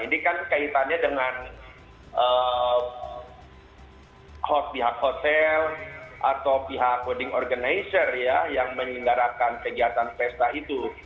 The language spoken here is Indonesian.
ini kan kaitannya dengan pihak hotel atau pihak hoding organizer ya yang menyelenggarakan kegiatan pesta itu